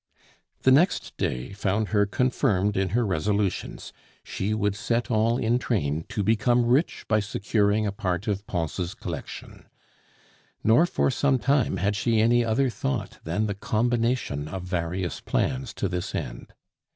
The next day found her confirmed in her resolutions she would set all in train to become rich by securing a part of Pons' collection. Nor for some time had she any other thought than the combination of various plans to this end.